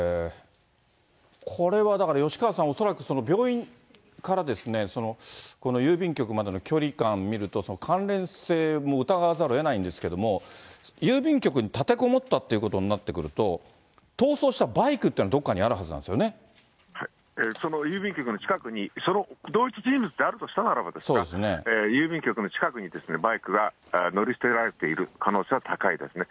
これはだから、吉川さん、恐らくその病院から郵便局までの距離感見ると、関連性も疑わざるをえないないんですけども、郵便局に立てこもったということになってくると、逃走したバイクっていうのがどこかにあるはずなんでその郵便局の近くに、その同一人物であるとしたならばですが、郵便局の近くにバイクが乗り捨てられている可能性は高いですね。